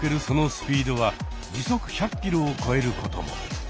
そのスピードは時速１００キロを超えることも。